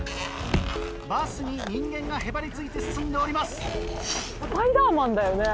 バスに人間がへばりついて進んでおります。